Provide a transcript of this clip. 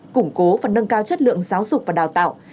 củng cố và nâng cao chất lượng giáo dục và đào tạo